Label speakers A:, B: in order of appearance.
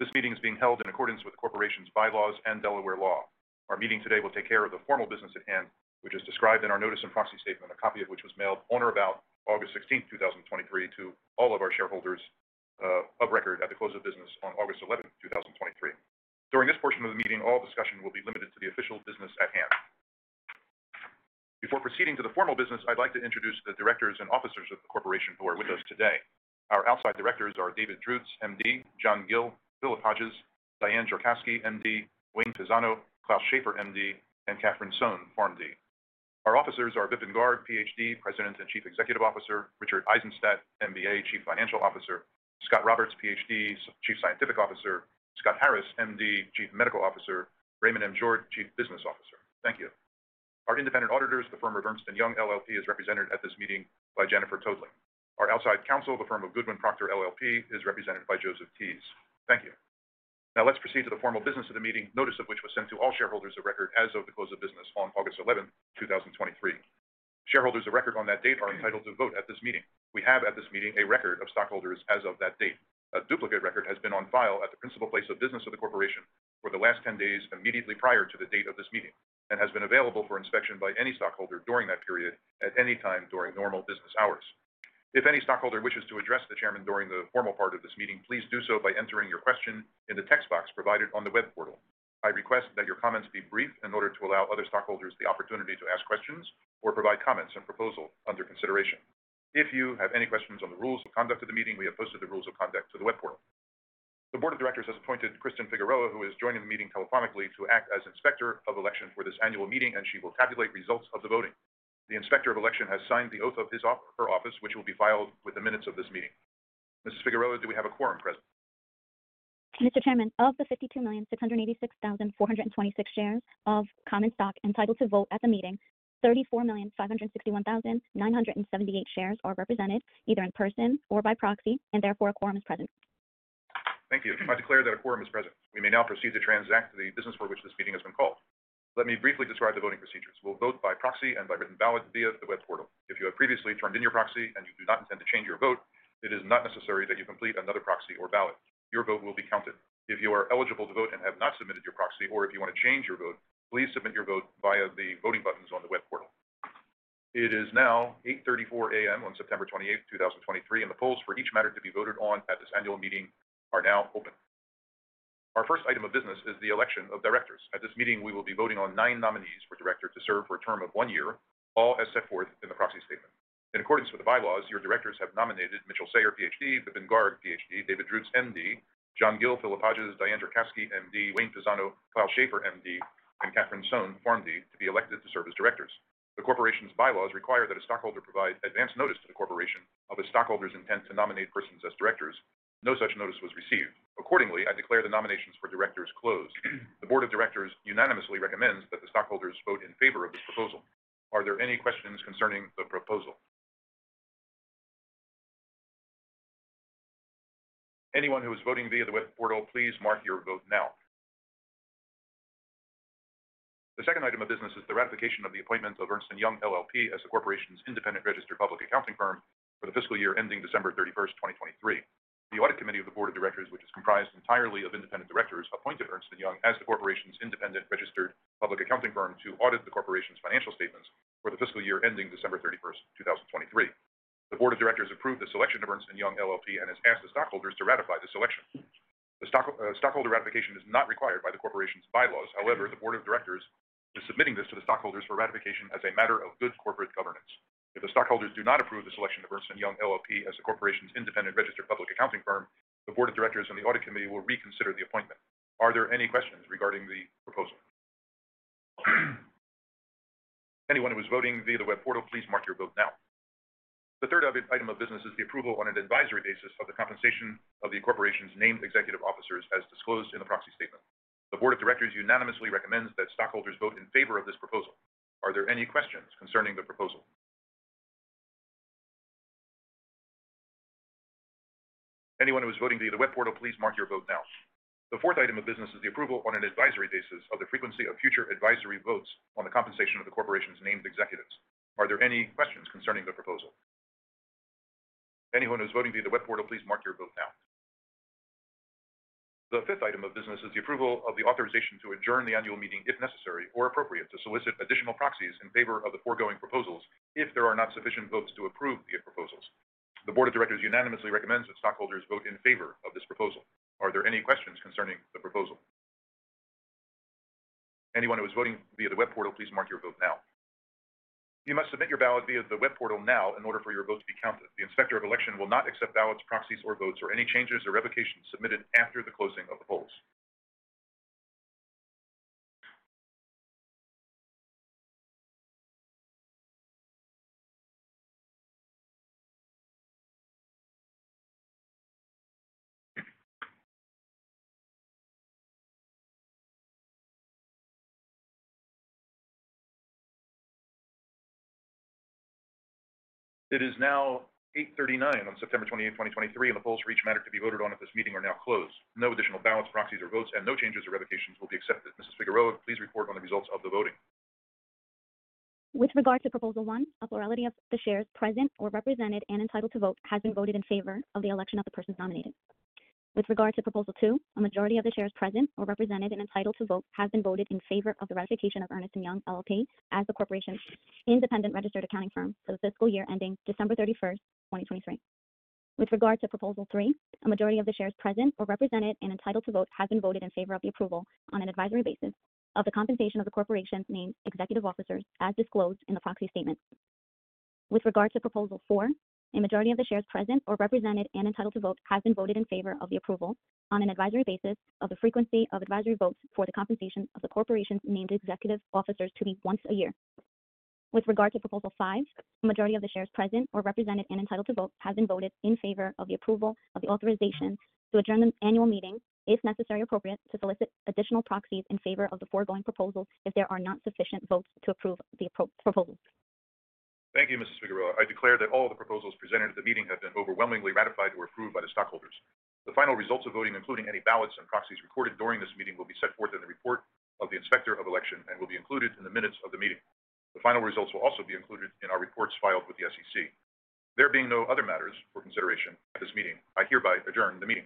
A: This meeting is being held in accordance with the corporation's bylaws and Delaware law. Our meeting today will take care of the formal business at hand, which is described in our Notice and Proxy Statement, a copy of which was mailed on or about August 16, 2023, to all of our shareholders of record at the close of business on August 11, 2023. During this portion of the meeting, all discussion will be limited to the official business at hand. Before proceeding to the formal business, I'd like to introduce the directors and officers of the corporation who are with us today. Our outside directors are David Drutz, MD; John M. Gill; Philip Hodges; Diane Jorkasky, MD; Wayne Pisano; Klaus Schafer, MD, and Catherine Sohn, PharmD. Our officers are Vipin Garg, PhD, President and Chief Executive Officer, Richard Eisenstadt, MBA, Chief Financial Officer, Scot Roberts, PhD, Chief Scientific Officer, Scott Harris, MD, Chief Medical Officer, Raymond M. Jordt, Chief Business Officer. Thank you. Our independent auditors, the firm of Ernst & Young LLP, is represented at this meeting by Jennifer Totte. Our outside counsel, the firm of Goodwin Procter LLP, is represented by Joseph Theis. Thank you. Now let's proceed to the formal business of the meeting, notice of which was sent to all shareholders of record as of the close of business on August eleventh, two thousand twenty-three. Shareholders of record on that date are entitled to vote at this meeting. We have, at this meeting, a record of stockholders as of that date.
B: A duplicate record has been on file at the principal place of business of the corporation for the last 10 days, immediately prior to the date of this meeting, and has been available for inspection by any stockholder during that period at any time during normal business hours. If any stockholder wishes to address the chairman during the formal part of this meeting, please do so by entering your question in the text box provided on the web portal. I request that your comments be brief in order to allow other stockholders the opportunity to ask questions or provide comments and proposal under consideration. If you have any questions on the rules of conduct of the meeting, we have posted the rules of conduct to the web portal. The board of directors has appointed Kristen Figueroa, who is joining the meeting telephonically, to act as Inspector of Election for this annual meeting, and she will tabulate results of the voting. The Inspector of Election has signed the oath of her office, which will be filed with the minutes of this meeting. Mrs. Figueroa, do we have a quorum present? Mr. Chairman, of the 52,686,426 shares of Common Stock entitled to vote at the meeting, 34,561,978 shares are represented, either in person or by proxy, and therefore a quorum is present. Thank you. I declare that a quorum is present. We may now proceed to transact the business for which this meeting has been called. Let me briefly describe the voting procedures. We'll vote by proxy and by written ballot via the web portal. If you have previously turned in your proxy and you do not intend to change your vote, it is not necessary that you complete another proxy or ballot. Your vote will be counted. If you are eligible to vote and have not submitted your proxy, or if you want to change your vote, please submit your vote via the voting buttons on the web portal. It is now 8:34 A.M. on September 28th, 2023, and the polls for each matter to be voted on at this annual meeting are now open. Our first item of business is the election of directors. At this meeting, we will be voting on nine nominees for director to serve for a term of one year, all as set forth in the proxy statement. In accordance with the bylaws, your directors have nominated Mitchel Sayare, PhD, Vipin Garg, PhD, David Drutz, MD, John M. Gill, Philip Hodges, Diane Jorkasky, MD, Wayne Pisano, Klaus Schafer, MD, and Catherine Sohn, PharmD, to be elected to serve as directors. The corporation's bylaws require that a stockholder provide advance notice to the corporation of a stockholder's intent to nominate persons as directors. No such notice was received. Accordingly, I declare the nominations for directors closed. The board of directors unanimously recommends that the stockholders vote in favor of this proposal. Are there any questions concerning the proposal? Anyone who is voting via the web portal, please mark your vote now. The second item of business is the ratification of the appointment of Ernst & Young LLP as the corporation's independent registered public accounting firm for the fiscal year ending December 31, 2023. The Audit Committee of the Board of Directors, which is comprised entirely of independent directors, appointed Ernst & Young as the corporation's independent registered public accounting firm to audit the corporation's financial statements for the fiscal year ending December 31, 2023. The board of directors approved the selection of Ernst & Young LLP and has asked the stockholders to ratify the selection. The stockholder ratification is not required by the corporation's bylaws. However, the board of directors is submitting this to the stockholders for ratification as a matter of good corporate governance. If the stockholders do not approve the selection of Ernst & Young LLP as the corporation's independent registered public accounting firm, the Board of Directors and the Audit Committee will reconsider the appointment. Are there any questions regarding the proposal? Anyone who is voting via the web portal, please mark your vote now. The third item of business is the approval on an advisory basis of the compensation of the corporation's named executive officers as disclosed in the Proxy Statement. The Board of Directors unanimously recommends that stockholders vote in favor of this proposal. Are there any questions concerning the proposal? Anyone who is voting via the web portal, please mark your vote now. The fourth item of business is the approval on an advisory basis of the frequency of future advisory votes on the compensation of the corporation's named executives. Are there any questions concerning the proposal? Anyone who is voting via the web portal, please mark your vote now. The fifth item of business is the approval of the authorization to adjourn the annual meeting, if necessary or appropriate, to solicit additional proxies in favor of the foregoing proposals if there are not sufficient votes to approve the proposals. The Board of Directors unanimously recommends that stockholders vote in favor of this proposal. Are there any questions concerning the proposal? Anyone who is voting via the web portal, please mark your vote now. You must submit your ballot via the web portal now in order for your vote to be counted. The Inspector of Election will not accept ballots, proxies, or votes, or any changes or revocations submitted after the closing of the polls. It is now 8:39 A.M. on September 28th, 2023, and the polls for each matter to be voted on at this meeting are now closed. No additional ballots, proxies, or votes and no changes or revocations will be accepted. Mrs. Figueroa, please report on the results of the voting. With regard to Proposal One, a plurality of the shares present or represented and entitled to vote has been voted in favor of the election of the persons nominated. With regard to Proposal Two, a majority of the shares present or represented and entitled to vote has been voted in favor of the ratification of Ernst & Young LLP as the corporation's independent registered accounting firm for the fiscal year ending December 31, 2023. With regard to Proposal Three, a majority of the shares present or represented and entitled to vote has been voted in favor of the approval on an advisory basis of the compensation of the corporation's named executive officers as disclosed in the proxy statement.
C: With regard to Proposal Four, a majority of the shares present or represented and entitled to vote has been voted in favor of the approval on an advisory basis of the frequency of advisory votes for the compensation of the corporation's named executive officers to be once a year. With regard to Proposal Five, a majority of the shares present or represented and entitled to vote has been voted in favor of the approval of the authorization to adjourn the annual meeting if necessary or appropriate, to solicit additional proxies in favor of the foregoing proposal, if there are not sufficient votes to approve the proposals. Thank you, Mrs. Figueroa. I declare that all the proposals presented at the meeting have been overwhelmingly ratified or approved by the stockholders. The final results of voting, including any ballots and proxies recorded during this meeting, will be set forth in the report of the Inspector of Election and will be included in the minutes of the meeting. The final results will also be included in our reports filed with the SEC. There being no other matters for consideration at this meeting, I hereby adjourn the meeting.